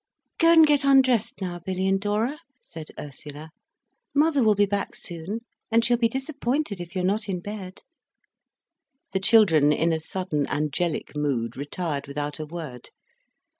"Go and get undressed now, Billy and Dora," said Ursula. "Mother will be back soon, and she'll be disappointed if you're not in bed." The children, in a sudden angelic mood, retired without a word.